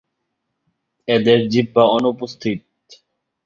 এদের জিহ্বা অনুপস্থিত।